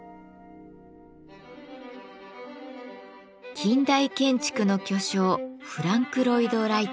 近代建築の巨匠フランク・ロイド・ライト。